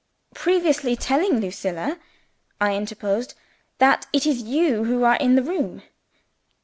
"Previously telling Lucilla," I interposed, "that it is you who are in the room?"